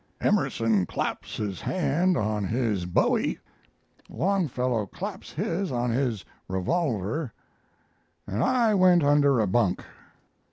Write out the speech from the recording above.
Emerson claps his hand on his bowie, Longfellow claps his on his revolver, and I went under a bunk.